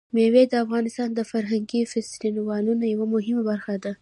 مېوې د افغانستان د فرهنګي فستیوالونو یوه مهمه برخه ده.